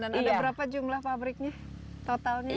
dan ada berapa jumlah pabriknya totalnya